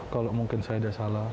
kalau mungkin saya tidak salah